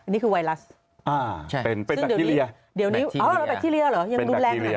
นี่คือไวรัสอ่าใช่เป็นเป็นแบคทีเรียเดี๋ยวนี้อ๋อแล้วแบคทีเรียเหรอยังรุนแรง